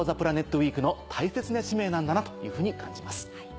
ウィークの大切な使命なんだなというふうに感じます。